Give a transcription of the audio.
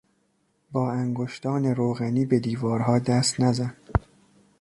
با انگشتان روغنی به دیوارها دست نزن!